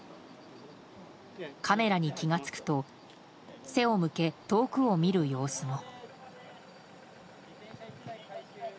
カメラに気が付くと背を向け、遠くを見る様子も。